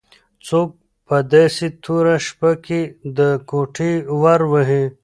څوک په داسې توره شپه کې د کوټې ور وهي؟